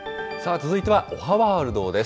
続いてはおはワールドです。